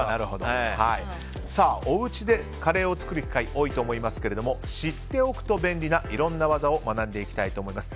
おうちでカレーを作る機会多いと思いますけども知っておくと便利ないろんな技を学んでいきたいと思います。